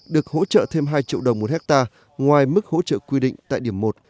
được hỗ trợ thêm hai triệu đồng một hectare ngoài mức hỗ trợ quy định tại điểm một